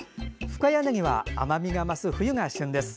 深谷ねぎは甘みが増す冬が旬です。